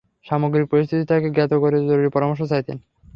সামগ্রিক পরিস্থিতি তাকে জ্ঞাত করে জরুরী পরামর্শ চাইতেন।